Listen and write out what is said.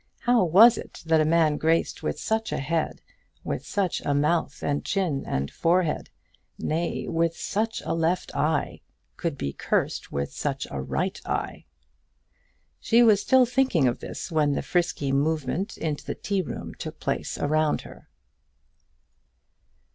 How was it that a man graced with such a head, with such a mouth and chin and forehead, nay, with such a left eye, could be cursed with such a right eye! She was still thinking of this when the frisky movement into the tea room took place around her.